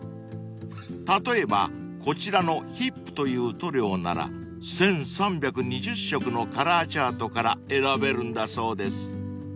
［例えばこちらのＨｉｐという塗料なら１，３２０色のカラーチャートから選べるんだそうです］